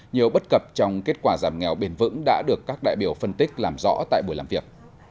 nhiều bất cập trong kết quả giảm nghèo bền vững đã được các đại biểu phân tích làm rõ tại buổi làm việc